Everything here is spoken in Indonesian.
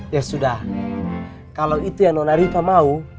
ya sudah kalau itu yang nona riva mau